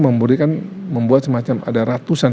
membuat semacam ada ratusan